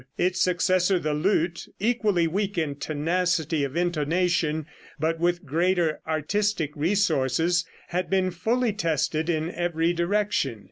Its successor, the lute, equally weak in tenacity of intonation, but with greater artistic resources, had been fully tested in every direction.